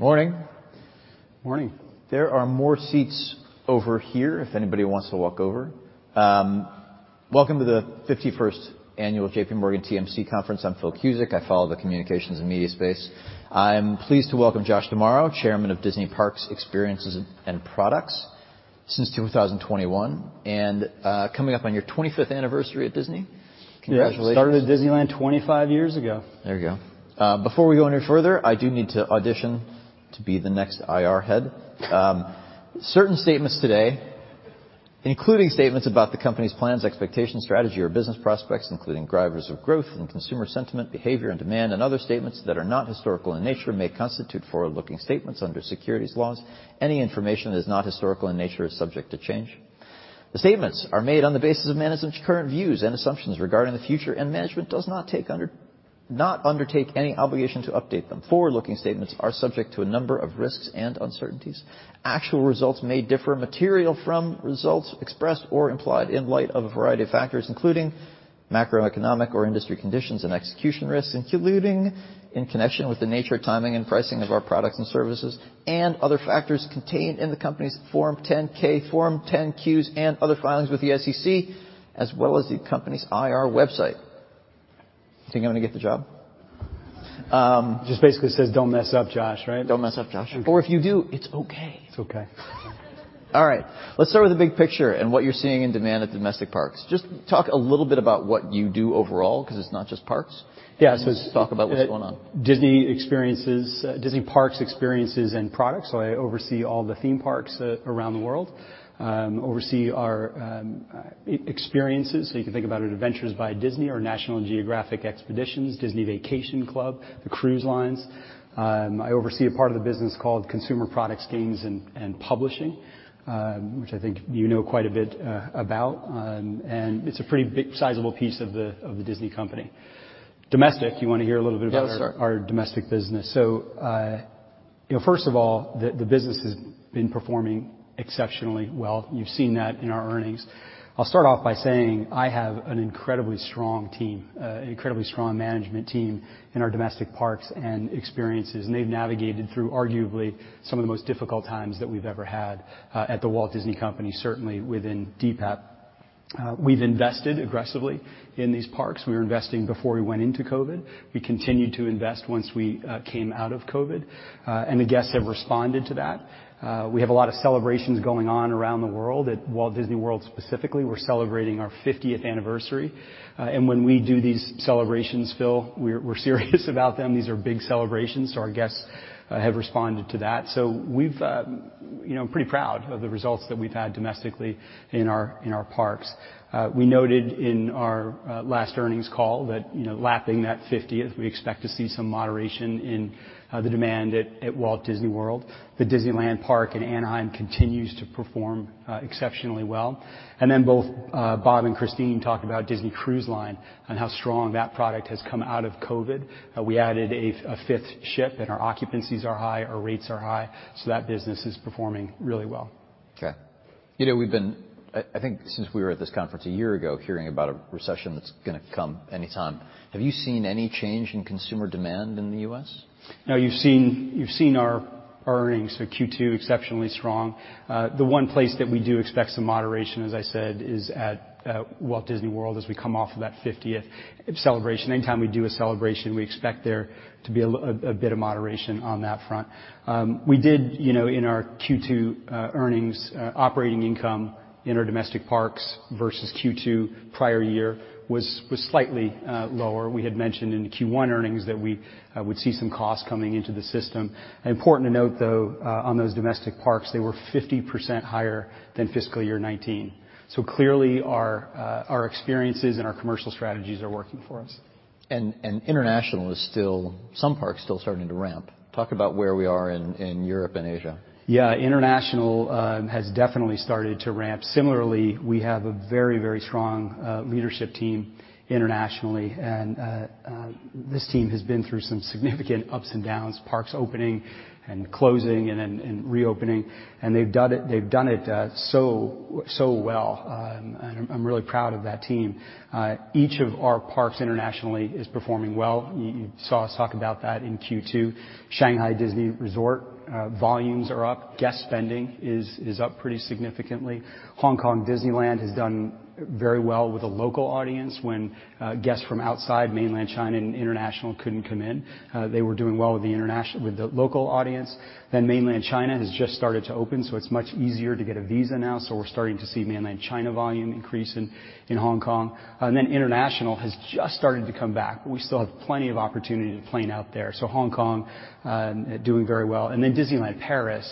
Morning. Morning. There are more seats over here if anybody wants to walk over. Welcome to the 51st annual J.P. Morgan TMT Conference. I'm Phil Cusick, I follow the communications and media space. I'm pleased to welcome Josh D'Amaro, Chairman of Disney Parks, Experiences and Products since 2021, coming up on your 25th anniversary at Disney. Congratulations. Yeah, started at Disneyland 25 years ago. There you go. Before we go any further, I do need to audition to be the next IR head. Certain statements today, including statements about the company's plans, expectations, strategy, or business prospects, including drivers of growth and consumer sentiment, behavior and demand, and other statements that are not historical in nature, may constitute forward-looking statements under securities laws. Any information that is not historical in nature is subject to change. The statements are made on the basis of management's current views and assumptions regarding the future, management does not undertake any obligation to update them. Forward-looking statements are subject to a number of risks and uncertainties. Actual results may differ materially from results expressed or implied in light of a variety of factors, including macroeconomic or industry conditions and execution risks, including in connection with the nature, timing, and pricing of our products and services, and other factors contained in the company's Form 10-K, Form 10-Qs, and other filings with the SEC, as well as the company's IR website. Think I'm gonna get the job? Just basically says, "Don't mess up, Josh," right? Don't mess up, Josh. If you do, it's okay. It's okay. All right. Let's start with the big picture and what you're seeing in demand at domestic parks. Just talk a little bit about what you do overall, 'cause it's not just parks. Just talk about what's going on. Disney experiences, Disney Parks, Experiences and Products. I oversee all the theme parks around the world, oversee our e-experiences, so you can think about it Adventures by Disney or National Geographic Expeditions, Disney Vacation Club, the cruise lines. I oversee a part of the business called Consumer Products, Games, and Publishing, which I think you know quite a bit about. It's a pretty big sizable piece of the, of the Disney company. Domestic, you wanna hear a little bit about our- Yes, sir. Our domestic business. You know, first of all, the business has been performing exceptionally well. You've seen that in our earnings. I'll start off by saying I have an incredibly strong team, an incredibly strong management team in our domestic parks and experiences, and they've navigated through arguably some of the most difficult times that we've ever had at The Walt Disney Company, certainly within DPEP. We've invested aggressively in these parks. We were investing before we went into COVID. We continued to invest once we came out of COVID. The guests have responded to that. We have a lot of celebrations going on around the world. At Walt Disney World specifically, we're celebrating our 50th anniversary. When we do these celebrations, Phil, we're serious about them. These are big celebrations, our guests have responded to that. We've, you know, pretty proud of the results that we've had domestically in our, in our parks. We noted in our last earnings call that, you know, lapping that 50th, we expect to see some moderation in the demand at Walt Disney World. The Disneyland park in Anaheim continues to perform exceptionally well. Both Bob Iger and Christine McCarthy talked about Disney Cruise Line and how strong that product has come out of COVID. We added a fifth ship, and our occupancies are high, our rates are high, so that business is performing really well. Okay. You know, we've been, I think since we were at this conference a year ago, hearing about a recession that's gonna come any time. Have you seen any change in consumer demand in the U.S.? You've seen our earnings for Q2, exceptionally strong. The one place that we do expect some moderation, as I said, is at Walt Disney World as we come off of that 50th celebration. Anytime we do a celebration, we expect there to be a bit of moderation on that front. We did, you know, in our Q2 earnings, operating income in our domestic parks versus Q2 prior year was slightly lower. We had mentioned in the Q1 earnings that we would see some costs coming into the system. Important to note, though, on those domestic parks, they were 50% higher than fiscal year 2019. Clearly, our experiences and our commercial strategies are working for us. International is still, some parks still starting to ramp. Talk about where we are in Europe and Asia. International has definitely started to ramp. Similarly, we have a very, very strong leadership team internationally, and this team has been through some significant ups and downs, parks opening and closing and then, and reopening, and they've done it so well. I'm really proud of that team. Each of our parks internationally is performing well. You saw us talk about that in Q2. Shanghai Disney Resort, volumes are up. Guest spending is up pretty significantly. Hong Kong Disneyland has done very well with the local audience. When guests from outside mainland China and international couldn't come in, they were doing well with the local audience. Mainland China has just started to open, so it's much easier to get a visa now, so we're starting to see mainland China volume increase in Hong Kong. International has just started to come back. We still have plenty of opportunity to plan out there. Hong Kong, doing very well. Disneyland Paris,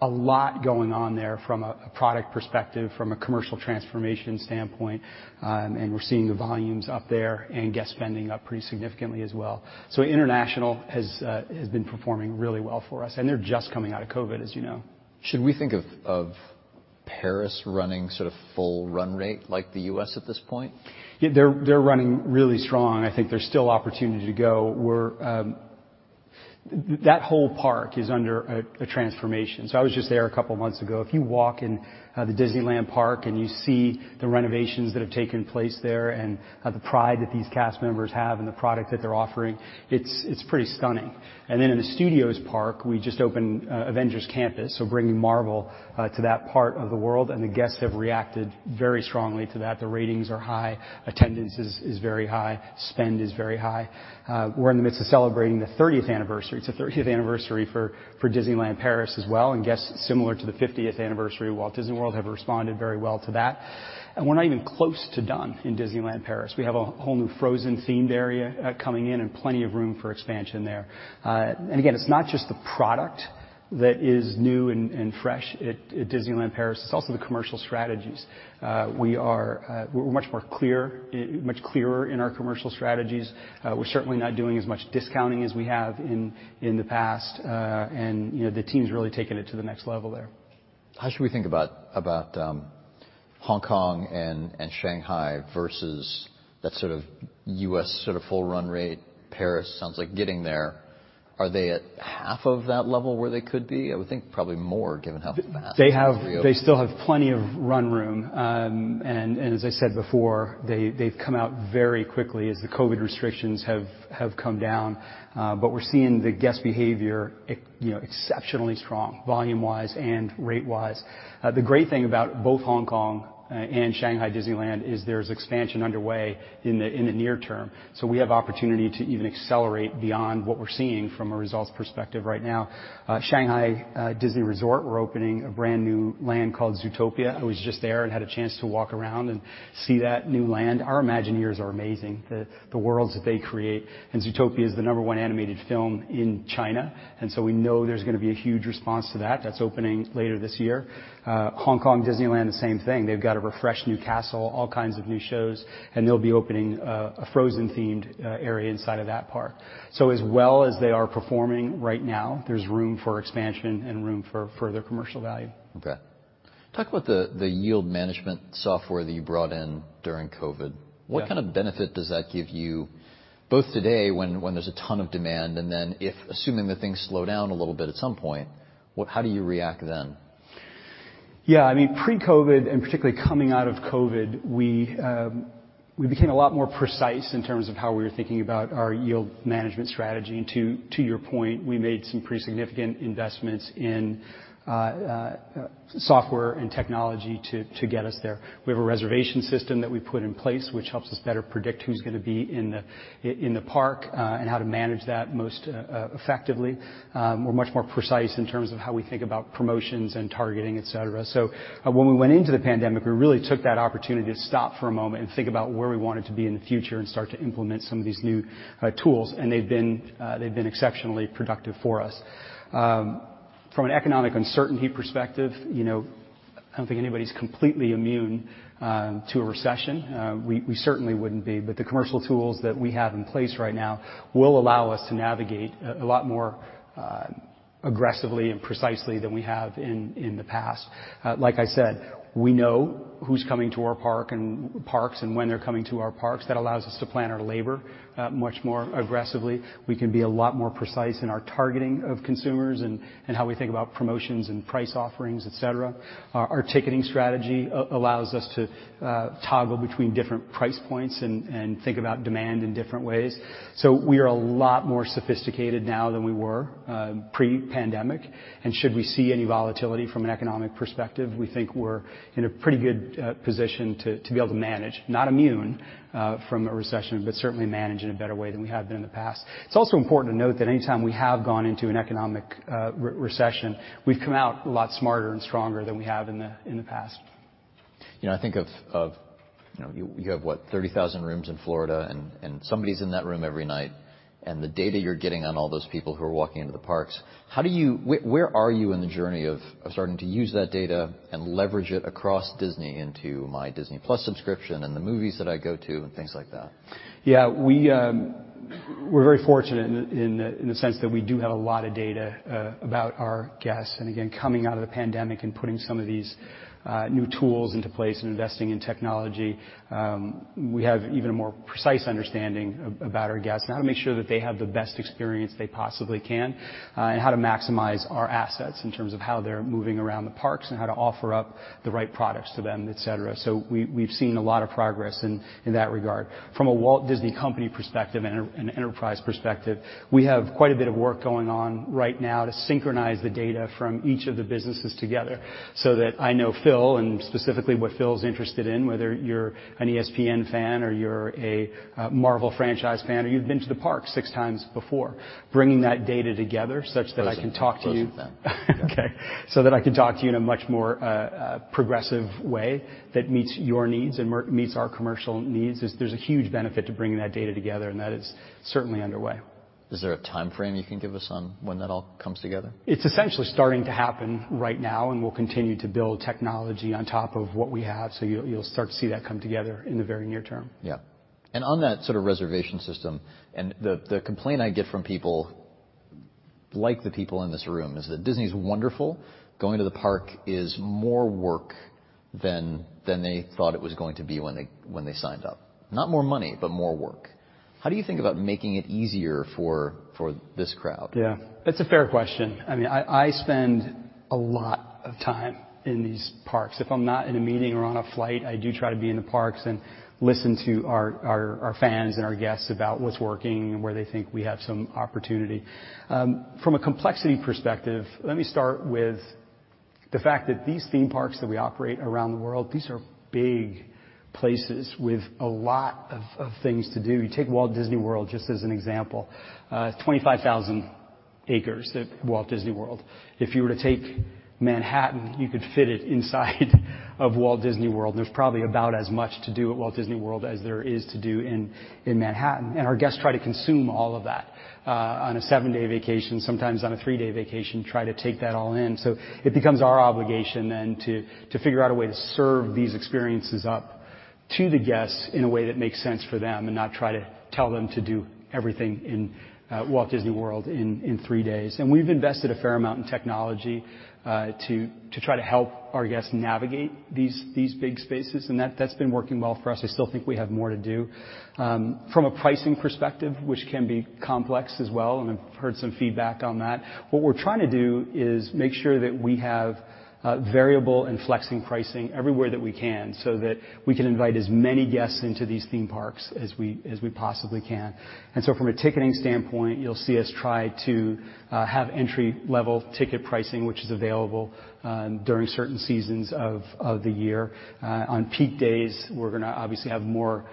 a lot going on there from a product perspective, from a commercial transformation standpoint, and we're seeing the volumes up there and guest spending up pretty significantly as well. International has been performing really well for us, and they're just coming out of COVID, as you know. Should we think of Paris running sort of full run rate like the U.S. at this point? Yeah. They're running really strong. I think there's still opportunity to go. That whole park is under a transformation. I was just there a couple months ago. If you walk in the Disneyland Park and you see the renovations that have taken place there and the pride that these cast members have and the product that they're offering, it's pretty stunning. In the Studios park, we just opened Avengers Campus, so bringing Marvel to that part of the world, and the guests have reacted very strongly to that. The ratings are high, attendance is very high, spend is very high. We're in the midst of celebrating the 30th anniversary. It's the 30th anniversary for Disneyland Paris as well, and guests, similar to the 50th anniversary of Walt Disney World, have responded very well to that. We're not even close to done in Disneyland Paris. We have a whole new Frozen-themed area coming in and plenty of room for expansion there. Again, it's not just the product that is new and fresh at Disneyland Paris, it's also the commercial strategies. We are, we're much more clear, much clearer in our commercial strategies. We're certainly not doing as much discounting as we have in the past, and, you know, the team's really taken it to the next level there. How should we think about Hong Kong and Shanghai versus that sort of U.S. sort of full run rate? Paris sounds like getting there. Are they at half of that level where they could be? I would think probably more given how fast you're reopening. They still have plenty of run room. As I said before, they've come out very quickly as the COVID restrictions have come down. We're seeing the guest behavior you know, exceptionally strong volume-wise and rate-wise. The great thing about both Hong Kong and Shanghai Disneyland is there's expansion underway in the near term, we have opportunity to even accelerate beyond what we're seeing from a results perspective right now. Shanghai Disney Resort, we're opening a brand-new land called Zootopia. I was just there and had a chance to walk around and see that new land. Our Imagineers are amazing, the worlds that they create, Zootopia is the number one animated film in China, we know there's gonna be a huge response to that. That's opening later this year. Hong Kong Disneyland, the same thing. They've got a refreshed new castle, all kinds of new shows, and they'll be opening a Frozen-themed area inside of that park. As well as they are performing right now, there's room for expansion and room for further commercial value. Okay. Talk about the yield management software that you brought in during COVID. What kind of benefit does that give you both today when there's a ton of demand, and then if, assuming that things slow down a little bit at some point, how do you react then? Yeah. I mean, pre-COVID, particularly coming out of COVID, we became a lot more precise in terms of how we were thinking about our yield management strategy. To your point, we made some pretty significant investments in software and technology to get us there. We have a reservation system that we put in place which helps us better predict who's gonna be in the park and how to manage that most effectively. We're much more precise in terms of how we think about promotions and targeting, et cetera. When we went into the pandemic, we really took that opportunity to stop for a moment and think about where we wanted to be in the future and start to implement some of these new tools, and they've been exceptionally productive for us. From an economic uncertainty perspective, you know, I don't think anybody's completely immune to a recession. We certainly wouldn't be, but the commercial tools that we have in place right now will allow us to navigate a lot more aggressively and precisely than we have in the past. Like I said, we know who's coming to our parks and when they're coming to our parks. That allows us to plan our labor much more aggressively. We can be a lot more precise in our targeting of consumers and how we think about promotions and price offerings, et cetera. Our ticketing strategy allows us to toggle between different price points and think about demand in different ways. We are a lot more sophisticated now than we were pre-pandemic, and should we see any volatility from an economic perspective, we think we're in a pretty good position to be able to manage, not immune from a recession, but certainly manage in a better way than we have been in the past. It's also important to note that any time we have gone into an economic recession, we've come out a lot smarter and stronger than we have in the past. You know, I think of, you know, you have, what, 30,000 rooms in Florida, and somebody's in that room every night, and the data you're getting on all those people who are walking into the parks, how do you where are you in the journey of starting to use that data and leverage it across Disney into my Disney+ subscription and the movies that I go to and things like that? Yeah. We're very fortunate in the sense that we do have a lot of data about our guests. Again, coming out of the pandemic and putting some of these new tools into place and investing in technology, we have even a more precise understanding about our guests and how to make sure that they have the best experience they possibly can, and how to maximize our assets in terms of how they're moving around the parks and how to offer up the right products to them, et cetera. We've seen a lot of progress in that regard. From a Walt Disney Company perspective and an enterprise perspective, we have quite a bit of work going on right now to synchronize the data from each of the businesses together so that I know Phil and specifically what Phil's interested in, whether you're an ESPN fan or you're a Marvel franchise fan or you've been to the park six times before. Bringing that data together such that I can talk to you. Close with that. Okay. That I can talk to you in a much more progressive way that meets your needs and meets our commercial needs is there's a huge benefit to bringing that data together. That is certainly underway. Is there a timeframe you can give us on when that all comes together? It's essentially starting to happen right now, and we'll continue to build technology on top of what we have, so you'll start to see that come together in the very near term. Yeah. On that sort of reservation system, and the complaint I get from people like the people in this room is that Disney's wonderful. Going to the park is more work than they thought it was going to be when they, when they signed up. Not more money, but more work. How do you think about making it easier for this crowd? Yeah. That's a fair question. I mean, I spend a lot of time in these parks. If I'm not in a meeting or on a flight, I do try to be in the parks and listen to our fans and our guests about what's working and where they think we have some opportunity. From a complexity perspective, let me start with the fact that these theme parks that we operate around the world, these are big places with a lot of things to do. You take Walt Disney World just as an example, 25,000 acres at Walt Disney World. If you were to take Manhattan, you could fit it inside of Walt Disney World. There's probably about as much to do at Walt Disney World as there is to do in Manhattan. Our guests try to consume all of that on a 7-day vacation, sometimes on a 3-day vacation, try to take that all in. It becomes our obligation then to figure out a way to serve these experiences up to the guests in a way that makes sense for them and not try to tell them to do everything in Walt Disney World in 3 days. We've invested a fair amount in technology to try to help our guests navigate these big spaces, and that's been working well for us. I still think we have more to do. From a pricing perspective, which can be complex as well, and I've heard some feedback on that, what we're trying to do is make sure that we have variable and flexing pricing everywhere that we can so that we can invite as many guests into these theme parks as we possibly can. From a ticketing standpoint, you'll see us try to have entry-level ticket pricing, which is available during certain seasons of the year. On peak days, we're gonna obviously have more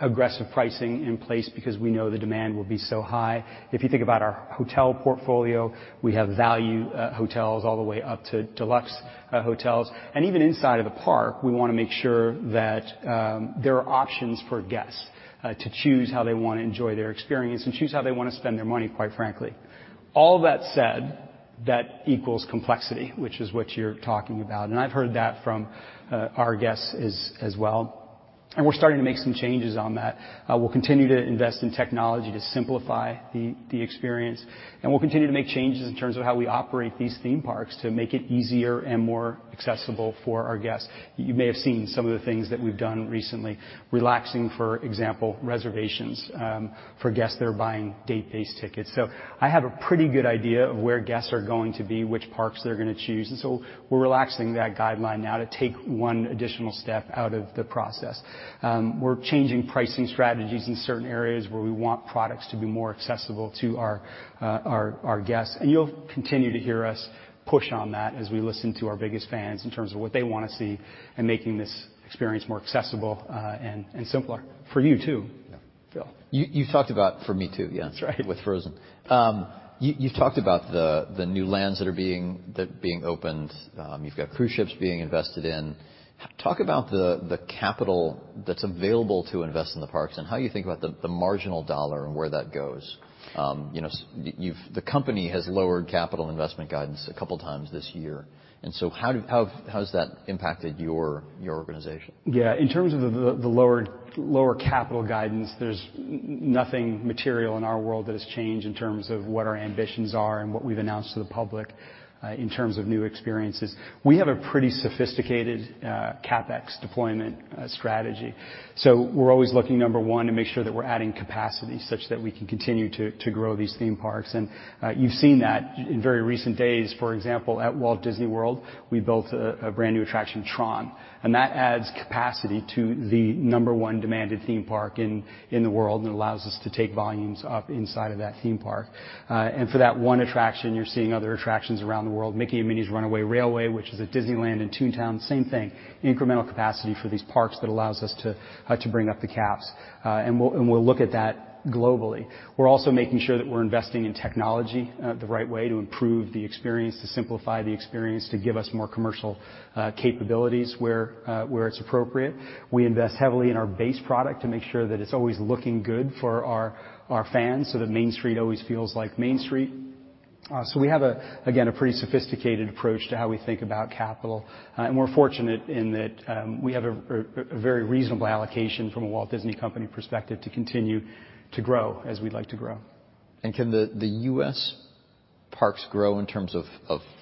aggressive pricing in place because we know the demand will be so high. If you think about our hotel portfolio, we have value hotels all the way up to deluxe hotels. Even inside of the park, we wanna make sure that there are options for guests to choose how they wanna enjoy their experience and choose how they wanna spend their money, quite frankly. All that said, that equals complexity, which is what you're talking about. I've heard that from our guests as well, and we're starting to make some changes on that. We'll continue to invest in technology to simplify the experience, and we'll continue to make changes in terms of how we operate these theme parks to make it easier and more accessible for our guests. You may have seen some of the things that we've done recently, relaxing, for example, reservations, for guests that are buying date-based tickets. I have a pretty good idea of where guests are going to be, which parks they're gonna choose, we're relaxing that guideline now to take 1 additional step out of the process. We're changing pricing strategies in certain areas where we want products to be more accessible to our guests. You'll continue to hear us push on that as we listen to our biggest fans in terms of what they wanna see in making this experience more accessible, and simpler for you too, Phil. You talked about for me too. Yeah, that's right. With Frozen. You talked about the new lands that are being opened. You've got cruise ships being invested in. Talk about the capital that's available to invest in the parks and how you think about the marginal $ and where that goes. You know, the company has lowered capital investment guidance a couple times this year, how has that impacted your organization? Yeah. In terms of the lower capital guidance, there's nothing material in our world that has changed in terms of what our ambitions are and what we've announced to the public in terms of new experiences. We have a pretty sophisticated CapEx deployment strategy. We're always looking, number one, to make sure that we're adding capacity such that we can continue to grow these theme parks. You've seen that in very recent days. For example, at Walt Disney World, we built a brand new attraction, TRON, and that adds capacity to the number one demanded theme park in the world and allows us to take volumes up inside of that theme park. For that one attraction, you're seeing other attractions around the world, Mickey & Minnie's Runaway Railway, which is at Disneyland in Toontown, same thing, incremental capacity for these parks that allows us to bring up the caps. We'll look at that globally. We're also making sure that we're investing in technology the right way to improve the experience, to simplify the experience, to give us more commercial capabilities where it's appropriate. We invest heavily in our base product to make sure that it's always looking good for our fans, so that Main Street always feels like Main Street. We have a pretty sophisticated approach to how we think about capital. We're fortunate in that, we have a very reasonable allocation from a The Walt Disney Company perspective to continue to grow as we'd like to grow. Can the U.S. parks grow in terms of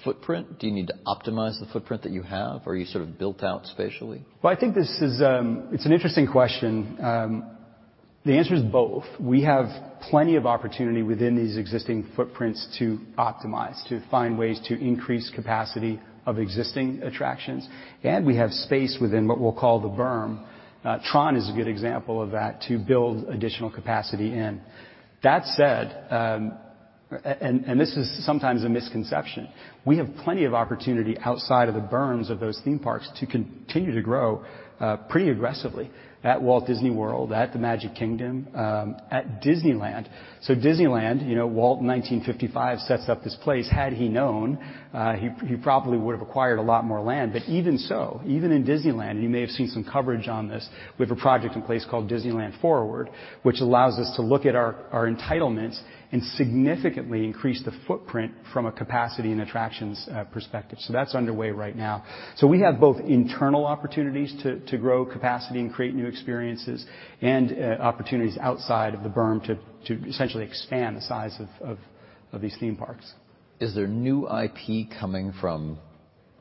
footprint? Do you need to optimize the footprint that you have, or are you sort of built out spatially? Well, I think this is. It's an interesting question. The answer is both. We have plenty of opportunity within these existing footprints to optimize, to find ways to increase capacity of existing attractions, and we have space within what we'll call the berm, TRON is a good example of that, to build additional capacity in. That said, and this is sometimes a misconception, we have plenty of opportunity outside of the berms of those theme parks to continue to grow pretty aggressively at Walt Disney World, at the Magic Kingdom, at Disneyland. Disneyland, you know, Walt in 1955 sets up this place. Had he known, he probably would have acquired a lot more land. Even so, even in Disneyland, you may have seen some coverage on this, we have a project in place called DisneylandForward, which allows us to look at our entitlements and significantly increase the footprint from a capacity and attractions perspective. That's underway right now. We have both internal opportunities to grow capacity and create new experiences and opportunities outside of the berm to essentially expand the size of these theme parks. Is there new IP coming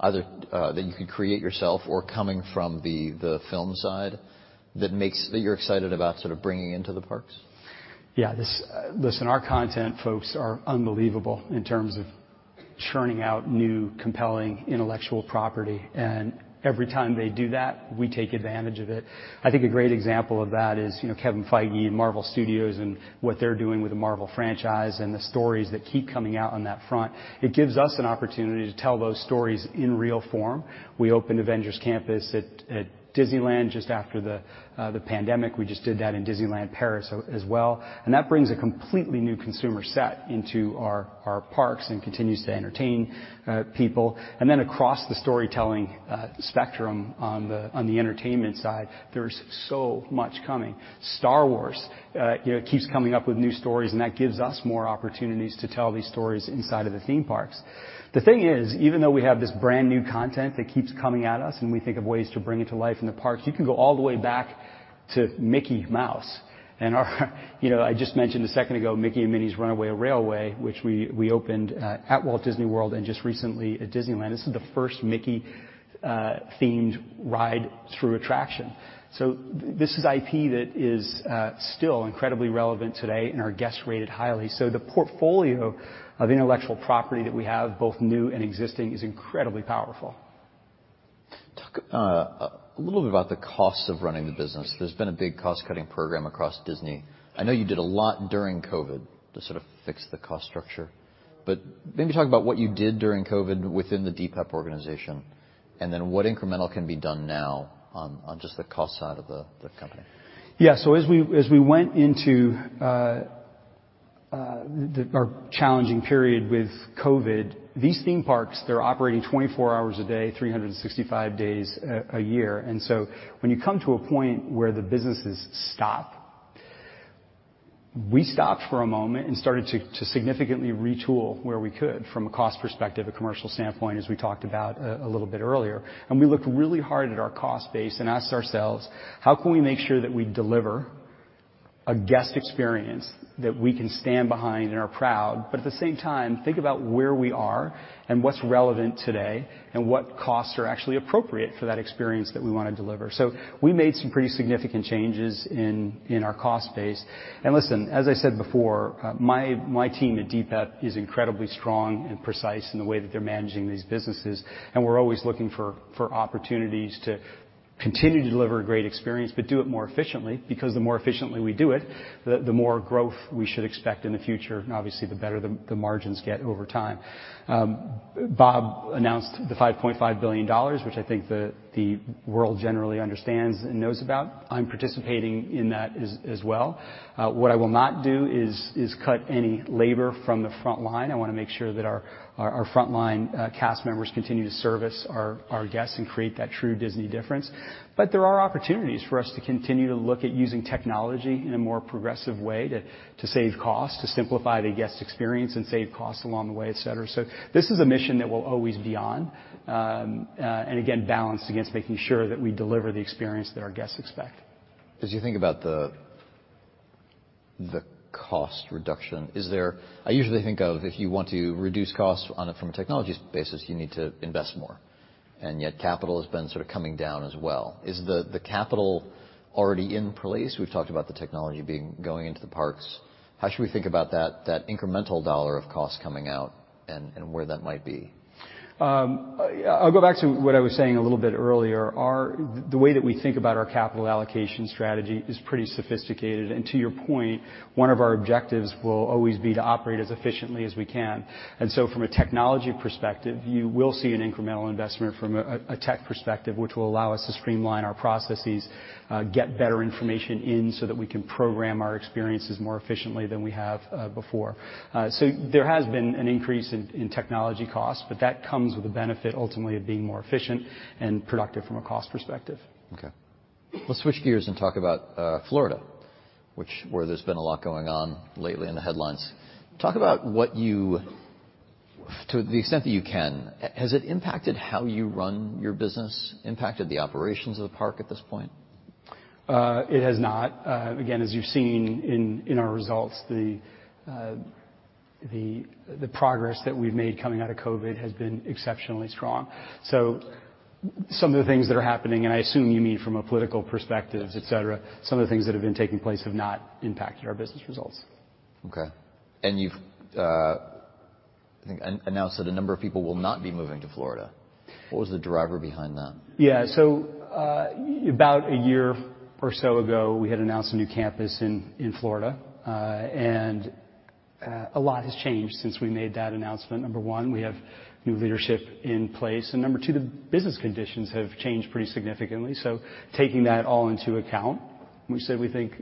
Either that you could create yourself or coming from the film side that you're excited about sort of bringing into the parks? Yeah. This. Listen, our content folks are unbelievable in terms of churning out new, compelling intellectual property. Every time they do that, we take advantage of it. I think a great example of that is, you know, Kevin Feige and Marvel Studios and what they're doing with the Marvel franchise and the stories that keep coming out on that front. It gives us an opportunity to tell those stories in real form. We opened Avengers Campus at Disneyland just after the pandemic. We just did that in Disneyland Paris as well. That brings a completely new consumer set into our parks and continues to entertain people. Across the storytelling spectrum on the entertainment side, there's so much coming. Star Wars, you know, keeps coming up with new stories, and that gives us more opportunities to tell these stories inside of the theme parks. The thing is, even though we have this brand-new content that keeps coming at us and we think of ways to bring it to life in the parks, you can go all the way back to Mickey Mouse. You know, I just mentioned a second ago, Mickey and Minnie's Runaway Railway, which we opened at Walt Disney World and just recently at Disneyland. This is the first Mickey-themed ride through attraction. This is IP that is still incredibly relevant today, and our guests rate it highly. The portfolio of intellectual property that we have, both new and existing, is incredibly powerful. Talk a little bit about the costs of running the business. There's been a big cost-cutting program across Disney. I know you did a lot during COVID to sort of fix the cost structure, but maybe talk about what you did during COVID within the DPEP organization, and then what incremental can be done now on just the cost side of the company. Yeah. As we went into our challenging period with COVID, these theme parks, they're operating 24 hours a day, 365 days a year. When you come to a point where the businesses stop, we stopped for a moment and started to significantly retool where we could from a cost perspective, a commercial standpoint, as we talked about a little bit earlier. We looked really hard at our cost base and asked ourselves, "How can we make sure that we deliver a guest experience that we can stand behind and are proud, but at the same time, think about where we are and what's relevant today and what costs are actually appropriate for that experience that we wanna deliver?" We made some pretty significant changes in our cost base. Listen, as I said before, my team at DPEP is incredibly strong and precise in the way that they're managing these businesses, and we're always looking for opportunities to continue to deliver a great experience, but do it more efficiently because the more efficiently we do it, the more growth we should expect in the future, and obviously, the better the margins get over time. Bob announced the $5.5 billion, which I think the world generally understands and knows about. I'm participating in that as well. What I will not do is cut any labor from the front line. I wanna make sure that our frontline cast members continue to service our guests and create that true Disney difference. There are opportunities for us to continue to look at using technology in a more progressive way to save costs, to simplify the guest experience and save costs along the way, et cetera. This is a mission that we'll always be on. Again, balanced against making sure that we deliver the experience that our guests expect. As you think about the cost reduction, I usually think of if you want to reduce costs on a, from a technology basis, you need to invest more, and yet capital has been sort of coming down as well. Is the capital already in place? We've talked about the technology being, going into the parks. How should we think about that incremental dollar of cost coming out and where that might be? I'll go back to what I was saying a little bit earlier. The way that we think about our capital allocation strategy is pretty sophisticated. To your point, one of our objectives will always be to operate as efficiently as we can. From a technology perspective, you will see an incremental investment from a tech perspective, which will allow us to streamline our processes, get better information in so that we can program our experiences more efficiently than we have before. So there has been an increase in technology costs, but that comes with the benefit ultimately of being more efficient and productive from a cost perspective. Okay. Let's switch gears and talk about Florida, which where there's been a lot going on lately in the headlines. Talk about what you to the extent that you can, has it impacted how you run your business, impacted the operations of the park at this point? It has not. Again, as you've seen in our results, the progress that we've made coming out of COVID has been exceptionally strong. Some of the things that are happening, and I assume you mean from a political perspective, et cetera, some of the things that have been taking place have not impacted our business results. Okay. You've, I think announced that a number of people will not be moving to Florida. What was the driver behind that? Yeah. About 1 year or so ago, we had announced a new campus in Florida, a lot has changed since we made that announcement. Number 1, we have new leadership in place, and Number 2, the business conditions have changed pretty significantly. Taking that all into account, we said we think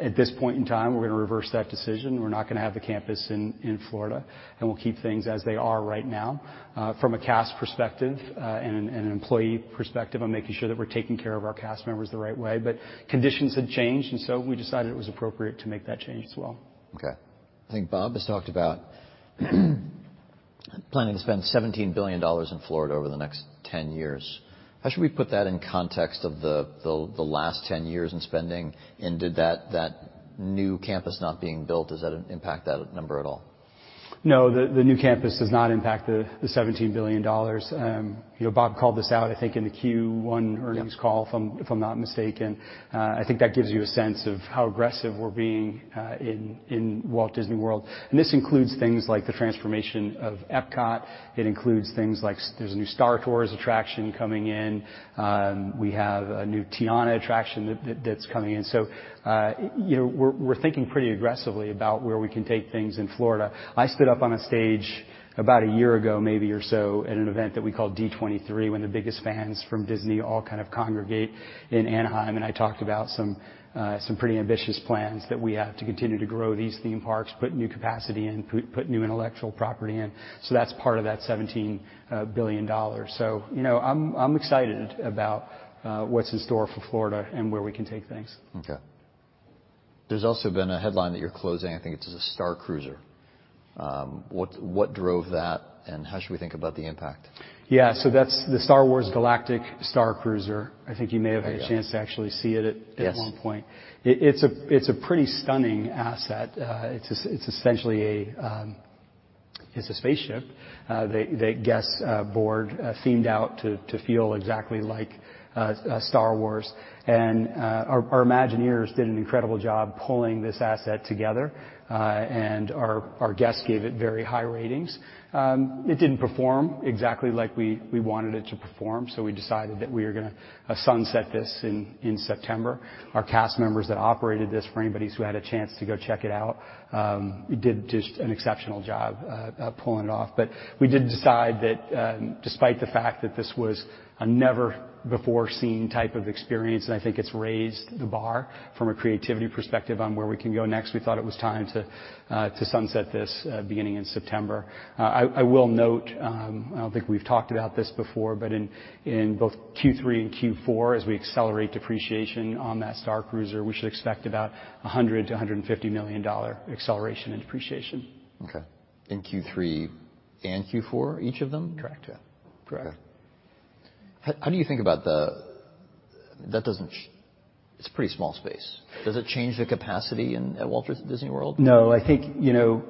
at this point in time, we're gonna reverse that decision. We're not gonna have the campus in Florida, we'll keep things as they are right now. From a cast perspective, and an employee perspective on making sure that we're taking care of our cast members the right way. Conditions had changed, we decided it was appropriate to make that change as well. Okay. I think Bob has talked about planning to spend $17 billion in Florida over the next 10 years. How should we put that in context of the last 10 years in spending? Did that new campus not being built, does that impact that number at all? No, the new campus does not impact the $17 billion. You know, Bob called this out, I think, in the Q1 earnings call, if I'm not mistaken. I think that gives you a sense of how aggressive we're being in Walt Disney World. This includes things like the transformation of Epcot. It includes things like there's a new Star Tours attraction coming in. We have a new Tiana attraction that's coming in. You know, we're thinking pretty aggressively about where we can take things in Florida. I stood up on a stage about a year ago maybe or so at an event that we call D23, when the biggest fans from Disney all kind of congregate in Anaheim. I talked about some pretty ambitious plans that we have to continue to grow these theme parks, put new capacity in, put new intellectual property in. That's part of that $17 billion, you know, I'm excited about what's in store for Florida and where we can take things. There's also been a headline that you're closing, I think it's the Starcruiser. What drove that, and how should we think about the impact? Yeah, that's the Star Wars: Galactic Starcruiser. I think you may have. There you go. Had a chance to actually see it at one point. It's a pretty stunning asset. It's essentially a spaceship that guests board, themed out to feel exactly like Star Wars. Our Imagineers did an incredible job pulling this asset together. Our guests gave it very high ratings. It didn't perform exactly like we wanted it to perform, so we decided that we are gonna sunset this in September. Our cast members that operated this for anybody who's had a chance to go check it out, did just an exceptional job pulling it off. We did decide that, despite the fact that this was a never-before-seen type of experience, and I think it's raised the bar from a creativity perspective on where we can go next, we thought it was time to sunset this, beginning in September. I will note, I don't think we've talked about this before, but in both Q3 and Q4, as we accelerate depreciation on that Starcruiser, we should expect about a $100 million-$150 million acceleration in depreciation. Okay. In Q3 and Q4, each of them? Correct. Yeah. Correct. Okay. How do you think about the. That doesn't. It's a pretty small space. Does it change the capacity at Walt Disney World? No. I think, you know,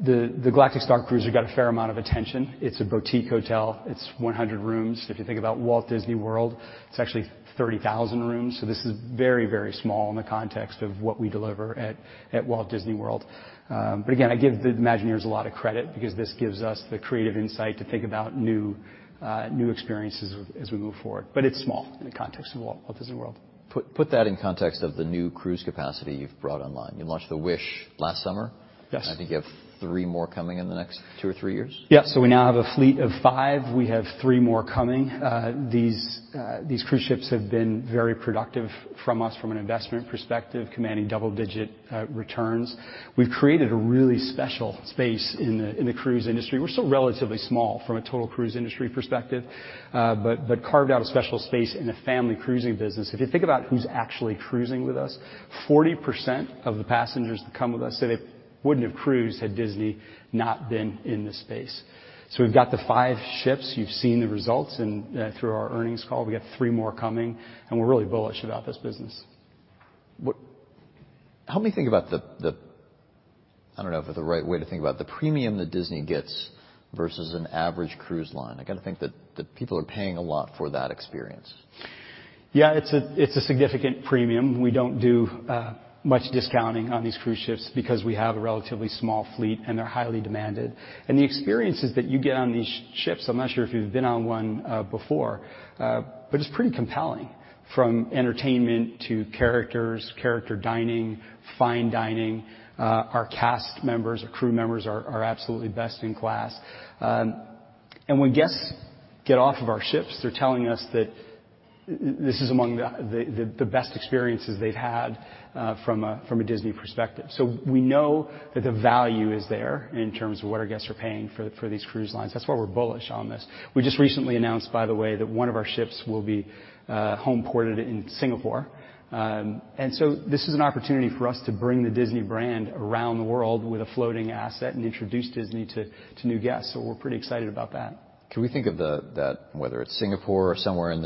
the Galactic Starcruiser got a fair amount of attention. It's a boutique hotel. It's 100 rooms. If you think about Walt Disney World, it's actually 30,000 rooms, so this is very, very small in the context of what we deliver at Walt Disney World. Again, I give the Imagineers a lot of credit because this gives us the creative insight to think about new experiences as we move forward. It's small in the context of Walt Disney World. Put that in context of the new cruise capacity you've brought online. You launched the Wish last summer. Yes. I think you have three more coming in the next two or three years? We now have a fleet of five. We have three more coming. These cruise ships have been very productive from us from an investment perspective, commanding double-digit returns. We've created a really special space in the cruise industry. We're still relatively small from a total cruise industry perspective, but carved out a special space in the family cruising business. If you think about who's actually cruising with us, 40% of the passengers that come with us say they wouldn't have cruised had Disney not been in this space. We've got the five ships. You've seen the results, and through our earnings call, we got three more coming, and we're really bullish about this business. Help me think about the premium that Disney gets versus an average cruise line? I gotta think that people are paying a lot for that experience. Yeah. It's a significant premium. We don't do much discounting on these cruise ships because we have a relatively small fleet, and they're highly demanded. The experiences that you get on these ships, I'm not sure if you've been on one before, but it's pretty compelling. From entertainment to characters, character dining, fine dining, our cast members or crew members are absolutely best in class. When guests get off of our ships, they're telling us that this is among the best experiences they've had from a Disney perspective. We know that the value is there in terms of what our guests are paying for these cruise lines. That's why we're bullish on this. We just recently announced, by the way, that one of our ships will be home-ported in Singapore this is an opportunity for us to bring the Disney brand around the world with a floating asset and introduce Disney to new guests. We're pretty excited about that. Can we think of that, whether it's Singapore or somewhere in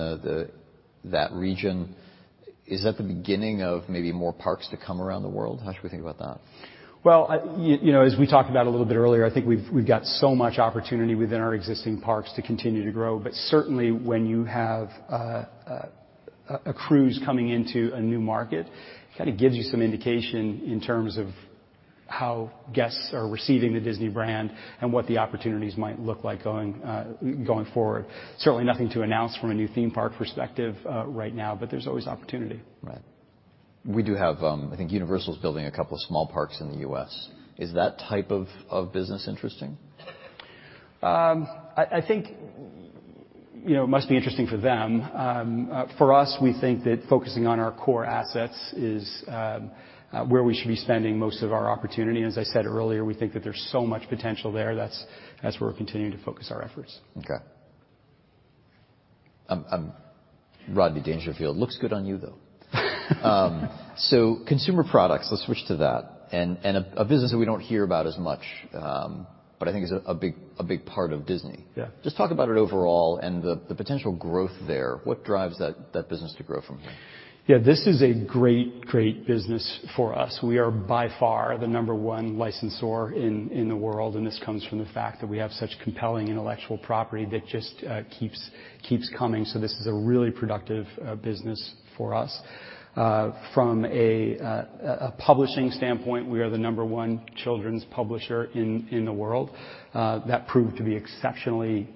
that region, is that the beginning of maybe more parks to come around the world? How should we think about that? Well, you know, as we talked about a little bit earlier, I think we've got so much opportunity within our existing parks to continue to grow. Certainly when you have a cruise coming into a new market, kinda gives you some indication in terms of how guests are receiving the Disney brand and what the opportunities might look like going forward. Certainly nothing to announce from a new theme park perspective right now, but there's always opportunity. Right. We do have, I think Universal's building a couple small parks in the U.S. Is that type of business interesting? I think, you know, it must be interesting for them. For us, we think that focusing on our core assets is where we should be spending most of our opportunity. As I said earlier, we think that there's so much potential there. That's where we're continuing to focus our efforts. Okay. Rodney Dangerfield. Looks good on you, though. Consumer products, let's switch to that. A business that we don't hear about as much, but I think is a big part of Disney. Just talk about it overall and the potential growth there. What drives that business to grow from here? Yeah, this is a great business for us. We are by far the number 1 licensor in the world. This comes from the fact that we have such compelling intellectual property that just keeps coming. This is a really productive business for us. From a publishing standpoint, we are the number 1 children's publisher in the world. That proved to be exceptionally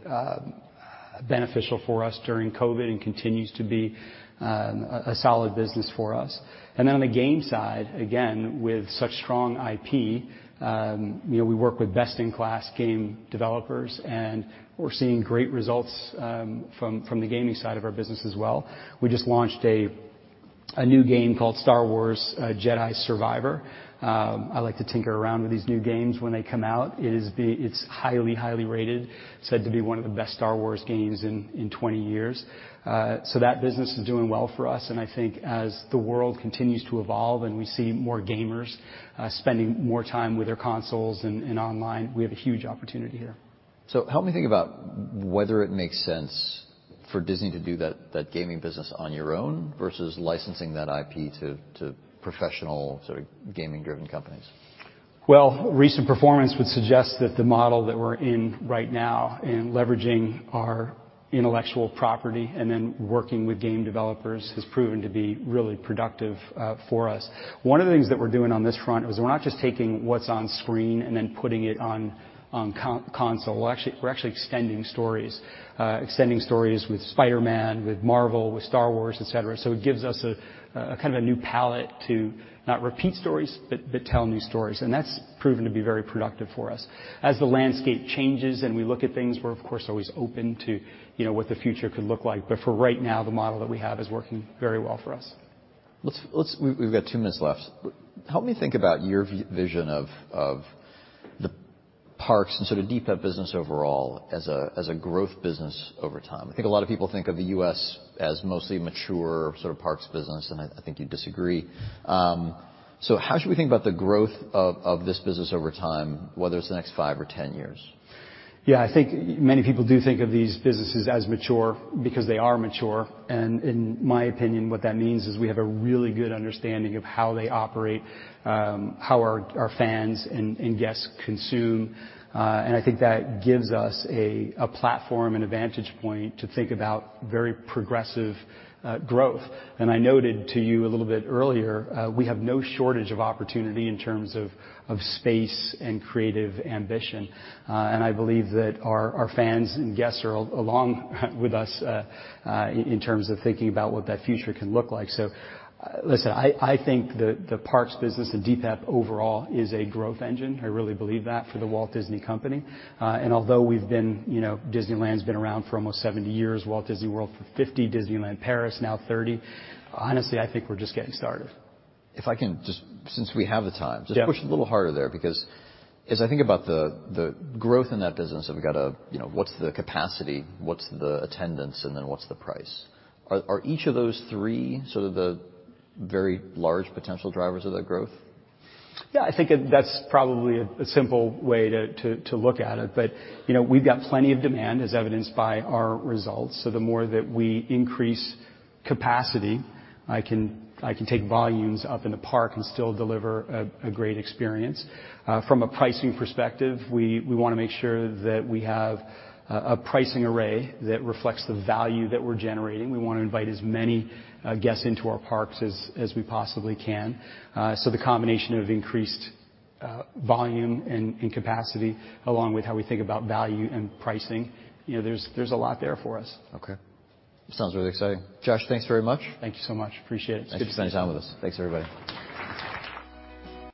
beneficial for us during COVID and continues to be a solid business for us. On the game side, again, with such strong IP, you know, we work with best-in-class game developers. We're seeing great results from the gaming side of our business as well. We just launched a new game called Star Wars Jedi: Survivor. I like to tinker around with these new games when they come out. It's highly rated. Said to be one of the best Star Wars games in 20 years. That business is doing well for us, and I think as the world continues to evolve and we see more gamers spending more time with their consoles and online, we have a huge opportunity here. Help me think about whether it makes sense for Disney to do that gaming business on your own versus licensing that IP to professional sort of gaming-driven companies. Well, recent performance would suggest that the model that we're in right now in leveraging our intellectual property and then working with game developers has proven to be really productive for us. One of the things that we're doing on this front is we're not just taking what's on screen and then putting it on console. We're actually extending stories. Extending stories with Spider-Man, with Marvel, with Star Wars, et cetera. It gives us a kind of a new palette to not repeat stories, but tell new stories. That's proven to be very productive for us. As the landscape changes and we look at things, we're of course, always open to, you know, what the future could look like. For right now, the model that we have is working very well for us. We've got 2 minutes left. Help me think about your vision of the parks and sort of DPEP business overall as a growth business over time. I think a lot of people think of the U.S. as mostly mature sort of parks business, and I think you disagree. How should we think about the growth of this business over time, whether it's the next five or 10 years? Yeah. I think many people do think of these businesses as mature because they are mature. In my opinion, what that means is we have a really good understanding of how they operate, how our fans and guests consume. I think that gives us a platform and a vantage point to think about very progressive growth. I noted to you a little bit earlier, we have no shortage of opportunity in terms of space and creative ambition. I believe that our fans and guests are along with us, in terms of thinking about what that future can look like. Listen, I think the parks business and DPEP overall is a growth engine. I really believe that for The Walt Disney Company. Although we've been, you know, Disneyland's been around for almost 70 years, Walt Disney World for 50, Disneyland Paris now 30, honestly, I think we're just getting started. If I can just. Since we have the time. Just push a little harder there, because as I think about the growth in that business, have we got a, you know, what's the capacity? What's the attendance? Then what's the price? Are each of those three sort of the very large potential drivers of that growth? Yeah, I think that's probably a simple way to look at it. You know, we've got plenty of demand as evidenced by our results. The more that we increase capacity, I can take volumes up in the park and still deliver a great experience. From a pricing perspective, we wanna make sure that we have a pricing array that reflects the value that we're generating. We wanna invite as many guests into our parks as we possibly can. The combination of increased volume and capacity, along with how we think about value and pricing, you know, there's a lot there for us. Okay. Sounds really exciting. Josh, thanks very much. Thank you so much. Appreciate it. Thanks for spending time with us. Thanks, everybody.